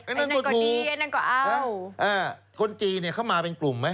ไอ้นั่นก็ดีไอ้นั่นก็เอ้านะฮะคนจีนเนี่ยเขามาเป็นกลุ่มไหม